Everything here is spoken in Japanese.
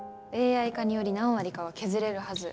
ＡＩ化により何割かは削れるはず。